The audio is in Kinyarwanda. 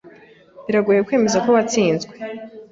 Biragoye kwemeza ko watsinzwe.